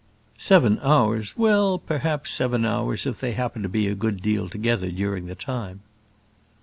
"Seven hours well, perhaps seven hours, if they happen to be a good deal together during the time."